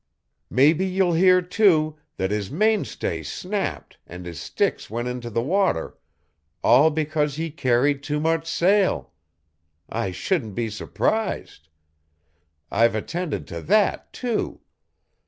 "Maybe you'll hear, too, that his mainstay snapped and his sticks went into the water all because he carried too much sail. I shouldn't be surprised. I've attended to that, too.